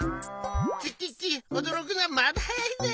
チッチッチッおどろくのはまだはやいぜ。